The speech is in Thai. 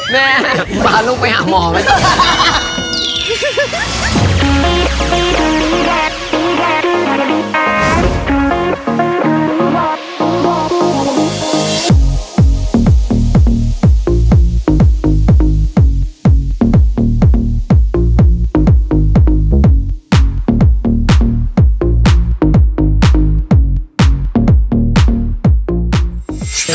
แม่พาลูกไปหาหมอไหม